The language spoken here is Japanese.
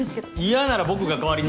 嫌なら僕が代わりに。